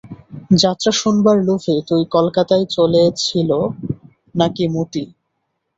যাত্রা শুনবার লোভে তুই কলকাতায় চলেছিল নাকি মতি?